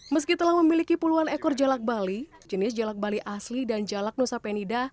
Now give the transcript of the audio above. meski telah memiliki puluhan ekor jelak bali jenis jelak bali asli dan jalak nusa penida